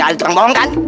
gak ada tukang bohong kan